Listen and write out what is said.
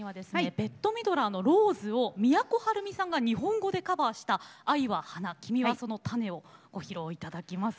ベット・ミドラーの「ローズ」を都はるみさんが日本語でカバーした「愛は花、君はその種子」をご披露いただきます。